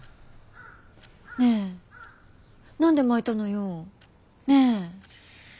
ねぇ何でまいたのよ。ねぇ。